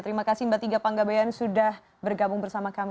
terima kasih mbak tika panggabayan sudah bergabung bersama kami